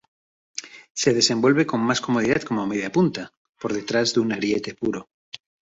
Se desenvuelve con más comodidad como mediapunta, por detrás de un ariete puro.